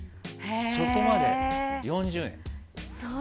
そこまで４０年。